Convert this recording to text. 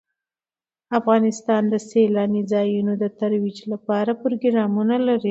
افغانستان د سیلانی ځایونه د ترویج لپاره پروګرامونه لري.